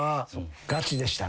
ガチでしたね。